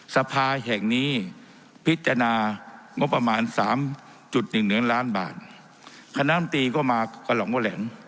สามจุดหนึ่งหนึ่งล้านบาทคณะน้ำตีก็มากระหล่องวะแหล่ง